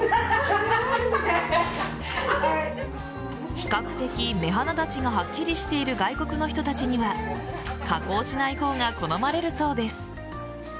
比較的目鼻立ちがはっきりしている外国の人たちには加工しない方が好まれるそうです。